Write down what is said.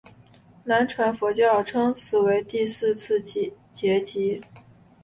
南传佛教称此为第四次结集。